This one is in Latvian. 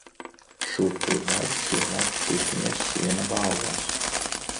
Šur tur redz cilvēkus kustamies siena vālās.